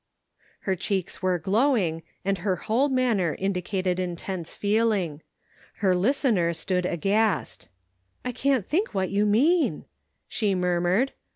Her cheeks were glowing, and her whole manner indicated intense feeling. Her listener stood aghast.'* " I can't think what you mean," she mur mured.